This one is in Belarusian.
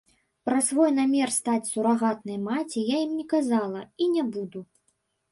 Пра свой намер стаць сурагатнай маці я ім не казала, і не буду.